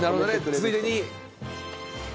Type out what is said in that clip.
ついでに。